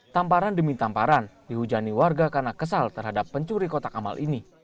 tamparan demi tamparan dihujani warga karena kesal terhadap pencuri kotak amal ini